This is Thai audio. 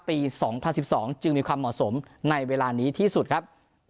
ปี๒๐๑๒จึงมีความเหมาะสมในเวลานี้ที่สุดครับ